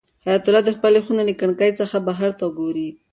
حیات الله د خپلې خونې له کړکۍ څخه بهر ته ګوري.